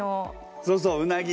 そうそううなぎ。